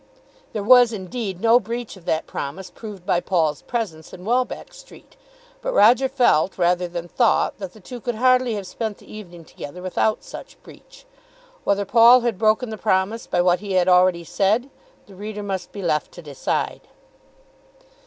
There was, indeed, no breach of that promise proved by Paul's presence in Welbeck Street; but Roger felt rather than thought that the two could hardly have spent the evening together without such breach. Whether Paul had broken the promise by what he had already said the reader must be left to decide.